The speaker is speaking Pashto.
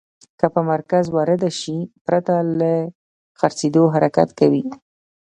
که په مرکز وارده شي پرته له څرخیدو حرکت کوي.